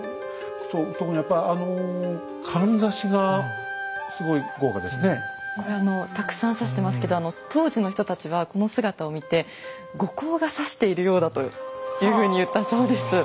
特にやっぱあのこれたくさん挿してますけど当時の人たちはこの姿を見て後光がさしているようだというふうに言ったそうです。